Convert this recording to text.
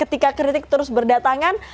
ketika kritik terus berdatangan